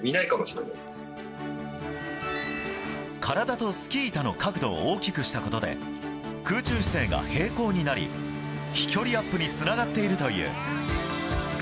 体とスキー板の角度を大きくしたことで空中姿勢が並行になり飛距離アップにつながっているという。